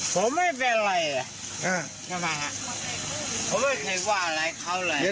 ผมไม่เป็นไรหรือ